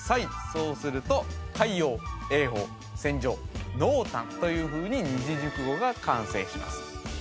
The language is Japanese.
そうすると海洋泳法洗浄濃淡というふうに二字熟語が完成します